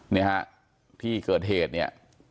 เนี่ยฮะที่เกิดเหตุเนี่ย